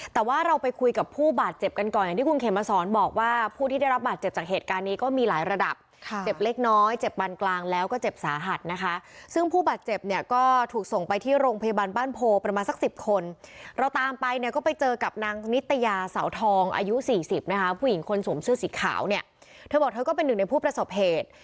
เธอบอกว่าเธอก็เป็นหนึ่งในผู้ประสบเหตุ